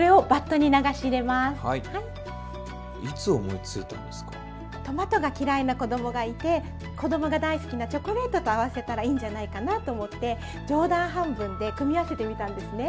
トマトが嫌いな子供がいて子供が大好きなチョコレートと合わせたらいいんじゃないかなと思って冗談半分で組み合わせてみたんですね。